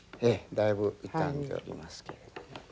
だいぶ傷んでおりますけれども。